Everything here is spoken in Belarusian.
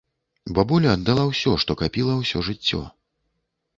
Бабуля аддала ўсё, што капіла ўсё жыццё.